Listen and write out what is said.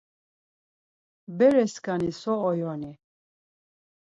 Bereskani so oyoni?